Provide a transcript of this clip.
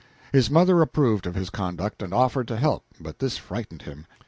His mother approved of his conduct, and offered to help, but this frightened him.